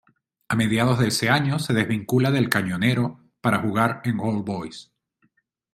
A mediados de ese año, se desvincula del "Cañonero" para jugar en All Boys.